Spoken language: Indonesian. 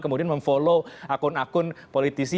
kemudian memfollow akun akun politisi